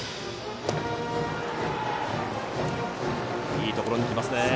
いいところに来ますね。